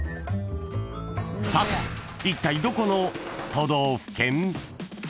［さていったいどこの都道府県？］